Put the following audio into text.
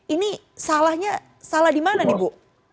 ini salahnya salah di mana nih bu